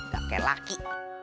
gak kayak laki